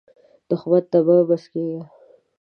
دښمن ته مه مسکېږه